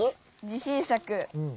自信作。